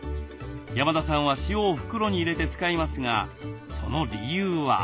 山田さんは塩を袋に入れて使いますがその理由は。